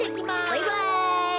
バイバイ。